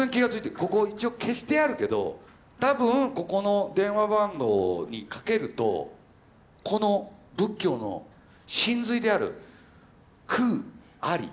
ここ一応消してあるけど多分ここの電話番号にかけるとこの仏教の真髄である「空あり」。